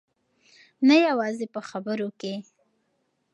نه یوازې په خبرو کې.